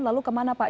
lalu kemana pak